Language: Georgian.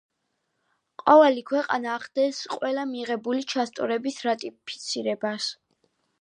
ყოველი ქვეყანა ახდენს ყველა მიღებული ჩასწორების რატიფიცირებას.